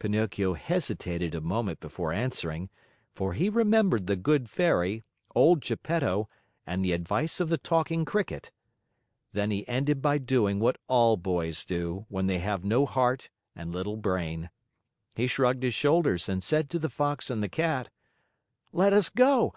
Pinocchio hesitated a moment before answering, for he remembered the good Fairy, old Geppetto, and the advice of the Talking Cricket. Then he ended by doing what all boys do, when they have no heart and little brain. He shrugged his shoulders and said to the Fox and the Cat: "Let us go!